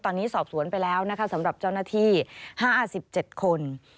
ตอนนี้สอบสวนไปแล้วนะคะสำหรับเจ้าหน้าที่๕๗คน